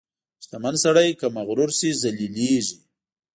• شتمن سړی که مغرور شي، ذلیلېږي.